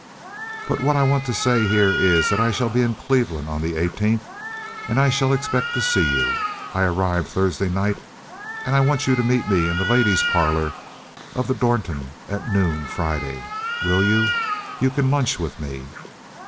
"But what I want to say here is that I shall be in Cleveland on the 18th, and I shall expect to see you. I arrive Thursday night, and I want you to meet me in the ladies' parlor of the Dornton at noon Friday. Will you? You can lunch with me.